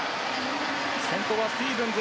先頭はスティーブンズ。